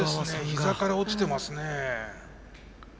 膝から落ちてますね。